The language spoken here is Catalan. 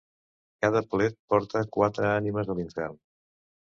Cada plet porta quatre ànimes a l'infern.